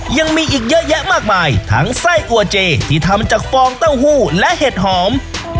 ยังมีอีกเยอะแยะมากมายทั้งไส้อัวเจที่ทำจากฟองเต้าหู้และเห็ดหอม